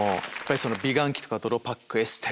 美顔器とか泥パックエステ